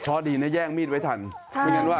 เพราะดีนะแย่งมีดไว้ทันไม่งั้นว่าอาการเมาด้วย